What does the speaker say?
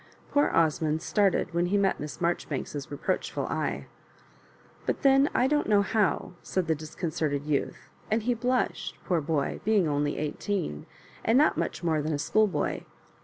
Poor Osmond started when he met Miss Maijori bank's reproachful eye. '* But then I don't know how," said the disooik oerted youth, and he blushed, poor boy, being only eighteen, and not much more than a school boy.